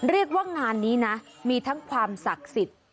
เรียกว่างานนี้นะมีทั้งความศักดิ์สิทธิ์